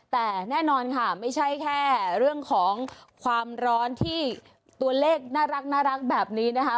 แต่แน่นอนค่ะไม่ใช่แค่เรื่องของความร้อนที่ตัวเลขน่ารักแบบนี้นะคะ